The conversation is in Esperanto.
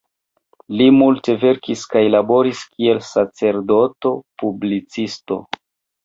Li multe verkis kaj laboris kiel "sacerdoto-publicisto.